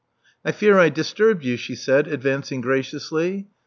'*I fear I disturbed you," she said, advancing graciously.